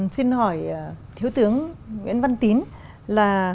xin hỏi thiếu tướng nguyễn văn tín là